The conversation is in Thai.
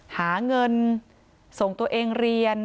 หาเงินส่งตัวเองเรียน